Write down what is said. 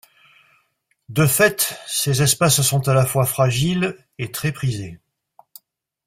De fait, ces espaces sont à la fois fragiles et très prisés.